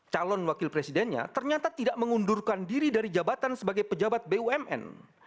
calon wakil presidennya ternyata tidak mengundurkan diri dari jabatan sebagai pejabat bumn